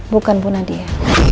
bukan bu nadia